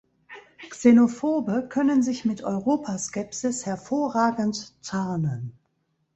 Xenophobe können sich mit Europaskepsis hervorragend tarnen.